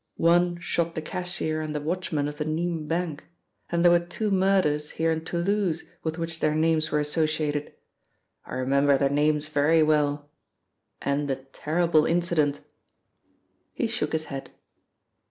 One shot the cashier and the watchman of the Nimes Bank, and there were two murders here in Toulouse with which their names were associated. I remember their names very well and the terrible incident!" He shook his head.